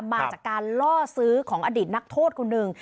มาจากการล่อซื้อของอดีตนักโทษคนหนึ่ง